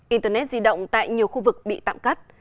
internet di động tại nhiều khu vực bị tạm cắt